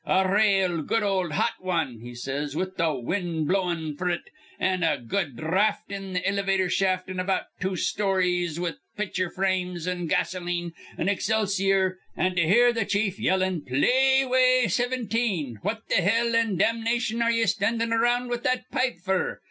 'A rale good ol' hot wan,' he says, 'with th' win' blowin' f'r it an' a good dhraft in th' ilivator shaft, an' about two stories, with pitcher frames an' gasoline an' excelsior, an' to hear th' chief yellin': "Play 'way, sivinteen. What th' hell an' damnation are ye standin' aroun' with that pipe f'r?